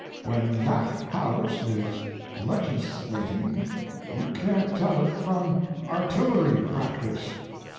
["When that house is legislating you can't tell it from artillery practice."